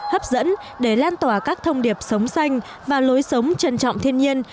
hấp dẫn để lan tỏa các thông điệp sống xanh và lối sống trân trọng thiên nhiên